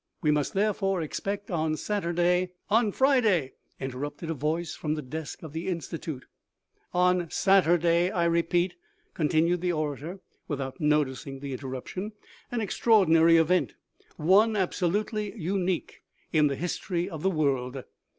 We must, therefore, expect on Saturday "" On Friday," interrupted a voice from the desk of the Institute. * u On Saturday, I repeat," continued the orator, without noticing the interruption, " an extraordinary event, one absolutely unique in the history of the world.